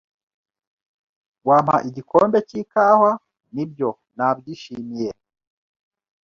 "Wampa igikombe cy'ikawa?" "Nibyo. Nabyishimiye."